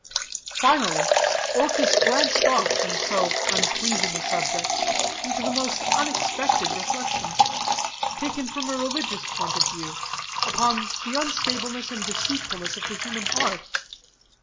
Finally, Orchis glanced off from so unpleasing a subject into the most unexpected reflections, taken from a religious point of view, upon the unstableness and deceitfulness of the human heart.